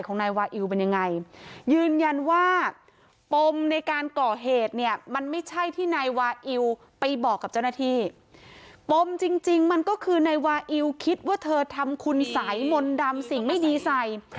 นายวาอิวไปบอกกับเจ้าหน้าที่ปมจริงมันก็คือนายวาอิวคิดว่าเธอทำคุณสายมนต์ดำสิ่งไม่ดีใส